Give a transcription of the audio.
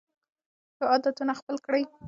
ښه عادتونه خپل کړئ.